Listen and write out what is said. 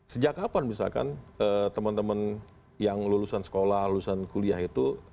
sejak kapan misalkan teman teman yang lulusan sekolah lulusan kuliah itu